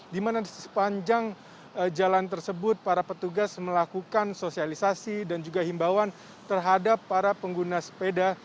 di mana sepanjang jalan tersebut para petugas melakukan sosialisasi dan juga himbauan terhadap para pengguna sepeda